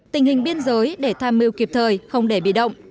tình hình biên giới để tham mưu kịp thời không để bị động